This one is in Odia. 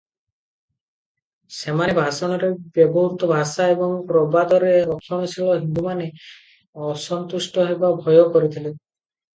ସେମାନେ ଭାଷଣରେ ବ୍ୟବହୃତ ଭାଷା ଏବଂ ପ୍ରବାଦରେ ରକ୍ଷଣଶୀଳ ହିନ୍ଦୁମାନେ ଅସନ୍ତୁଷ୍ଟ ହେବା ଭୟ କରିଥିଲେ ।